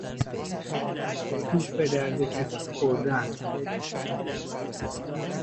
خوب به درد کسی خوردن